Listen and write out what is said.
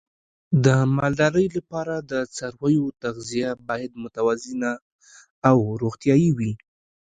د مالدارۍ لپاره د څارویو تغذیه باید متوازنه او روغتیايي وي.